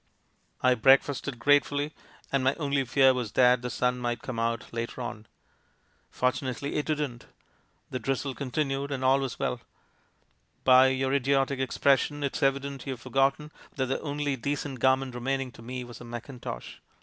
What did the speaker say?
I breakfasted grate fully, and my only fear was that the sun might come out later on. Fortunately it didn't. The drizzle continued, and all was well. Bv vour idiotic expression it's evident you've forgotten that the only decent garment remaining to me was a mackintosh.